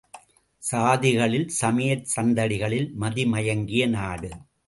சாதிகளில் சமயச் சந்தடிகளில் மதிமயங்கிய நாடு.